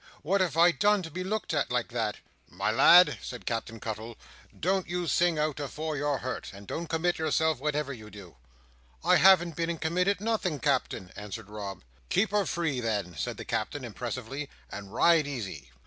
what have I done to be looked at, like that?" "My lad," said Captain Cuttle, "don't you sing out afore you're hurt. And don't you commit yourself, whatever you do." "I haven't been and committed nothing, Captain!" answered Rob. "Keep her free, then," said the Captain, impressively, "and ride easy."